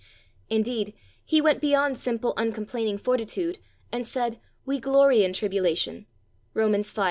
Indeed, he went beyond simple uncomplaining fortitude, and said, "we glory in tribulation" (Romans v.